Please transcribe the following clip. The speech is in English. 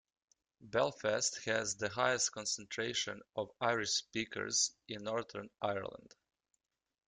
Belfast has the highest concentration of Irish speakers in Northern Ireland.